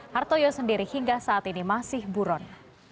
hartoyo sendiri hingga saat ini masih buron